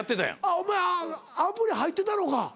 お前アプリ入ってたのか。